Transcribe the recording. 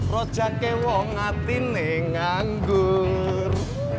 rojak kewong ati ne nganggur